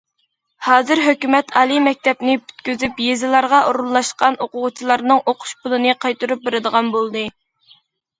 ھازىر ھۆكۈمەت ئالىي مەكتەپنى پۈتكۈزۈپ يېزىلارغا ئورۇنلاشقان ئوقۇغۇچىلارنىڭ ئوقۇش پۇلىنى قايتۇرۇپ بېرىدىغان بولدى.